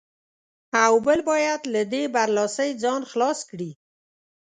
او بل باید له دې برلاسۍ ځان خلاص کړي.